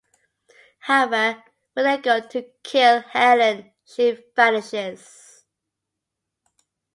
However, when they go to kill Helen, she vanishes.